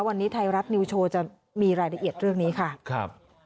วันนี้ไทยรัฐนิวโชว์จะมีรายละเอียดเรื่องนี้ค่ะครับ